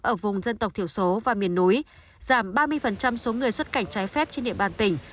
ở vùng dân tộc thiểu số và miền núi giảm ba mươi số người xuất cảnh trái phép trên địa bàn tỉnh